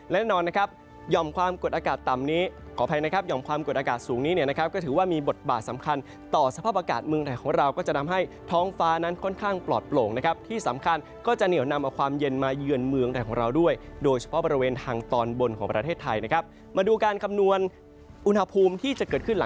แน่นอนนะครับหย่อมความกดอากาศต่ำนี้ขออภัยนะครับหย่อมความกดอากาศสูงนี้เนี่ยนะครับก็ถือว่ามีบทบาทสำคัญต่อสภาพอากาศเมืองไทยของเราก็จะทำให้ท้องฟ้านั้นค่อนข้างปลอดโปร่งนะครับที่สำคัญก็จะเหนียวนำเอาความเย็นมาเยือนเมืองไทยของเราด้วยโดยเฉพาะบริเวณทางตอนบนของประเทศไทยนะครับมาดูการคำนวณอุณหภูมิที่จะเกิดขึ้นห